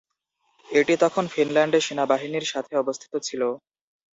এটি তখন ফিনল্যান্ডে সেনাবাহিনীর সাথে অবস্থিত ছিল।